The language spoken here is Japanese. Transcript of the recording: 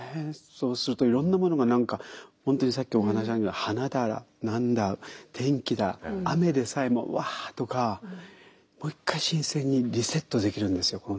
そうするといろんなものが何か本当にさっきお話にもあるように花だ何だ天気だ雨でさえも「わあ！」とかもう一回新鮮にリセットできるんですよ